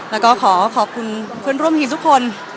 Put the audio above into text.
เราก็ขอขอบคุณร่วมให้ทุกคน